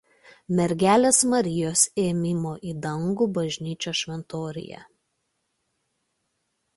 Mergelės Marijos Ėmimo į dangų bažnyčios šventoriuje.